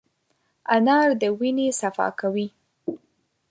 انار د وینې صفا کوي.